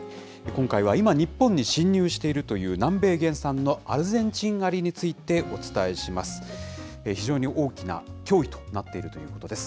今回は今、日本に侵入しているという南米原産のアルゼンチンアリについてお伝えします。